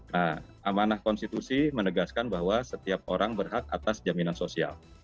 nah amanah konstitusi menegaskan bahwa setiap orang berhak atas jaminan sosial